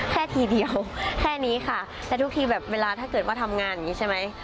แค่ทีเดียวแค่นี้ค่ะแต่ทุกทีแบบเวลาถ้าเกิดว่าทำงานอย่างนี้ใช่ไหม